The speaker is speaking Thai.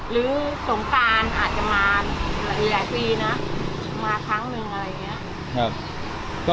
หรือสงการอาจจะมาหลายหลายปีนะมาครั้งหนึ่งอะไรอย่างเงี้ยครับ